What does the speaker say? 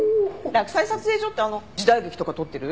洛西撮影所ってあの時代劇とか撮ってる？